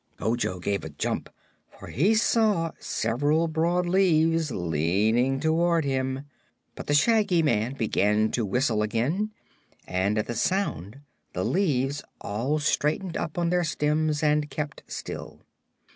Ojo gave a jump, for he saw several broad leaves leaning toward him; but the Shaggy Man began to whistle again, and at the sound the leaves all straightened up on their stems and kept still.